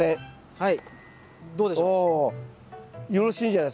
はい。